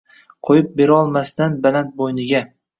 Qo‘yib berolmasdan baland bo‘yniga.